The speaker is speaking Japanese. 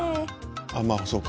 「まあそうか